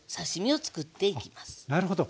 なるほど。